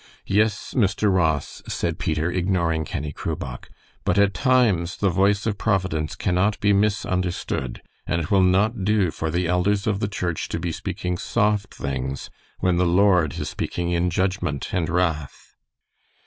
"Yes, Mr. Ross," said Peter, ignoring Kenny Crubach, "but at times the voice of Providence cannot be misunderstood, and it will not do for the elders of the church to be speaking soft things when the Lord is speaking in judgment and wrath."